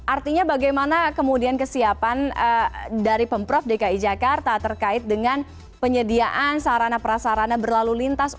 artinya bagaimana kemudian kesiapan dari pemprov dki jakarta terkait dengan penyediaan sarana prasarana berlalu lintas